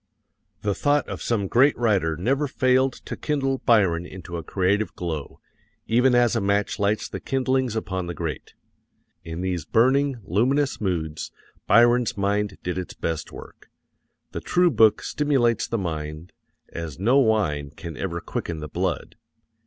The thought of some great writer never failed to kindle Byron into a creative glow, even as a match lights the kindlings upon the grate. In these burning, luminous moods Byron's mind did its best work. The true book stimulates the mind as no wine can ever quicken the blood.